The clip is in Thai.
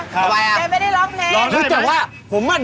คุณไม่ได้ร้องเจ้นครับนะครับคุณร้องได้ไหม